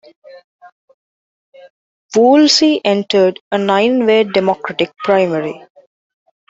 Woolsey entered a nine-way Democratic primary.